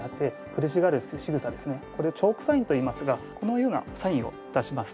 これをチョークサインといいますがこのようなサインを出します。